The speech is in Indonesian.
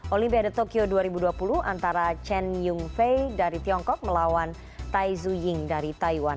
olimpiade tokyo dua ribu dua puluh antara chen yung fei dari tiongkok melawan tai zu ying dari taiwan